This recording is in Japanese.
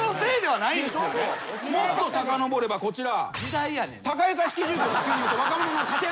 もっとさかのぼればこちら。